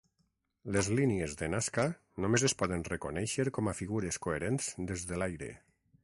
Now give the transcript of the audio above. Les línies de Nazca només es poden reconèixer com a figures coherents des de l'aire.